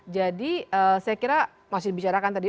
jadi saya kira masih dibicarakan tadi